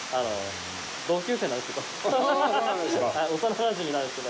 同級生なんですよ。